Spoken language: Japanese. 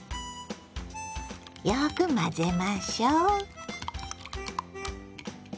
よく混ぜましょう。